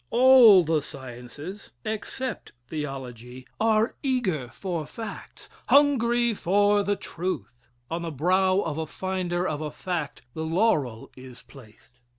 ALL the sciences except Theology are eager for facts hungry for the truth. On the brow of a finder of a fact the laurel is placed.